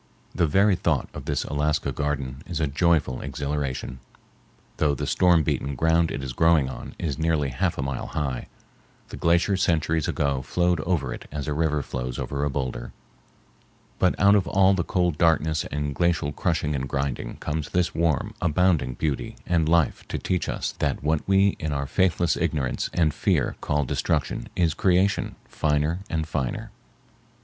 The very thought of this Alaska garden is a joyful exhilaration. Though the storm beaten ground it is growing on is nearly half a mile high, the glacier centuries ago flowed over it as a river flows over a boulder; but out of all the cold darkness and glacial crushing and grinding comes this warm, abounding beauty and life to teach us that what we in our faithless ignorance and fear call destruction is creation finer and finer.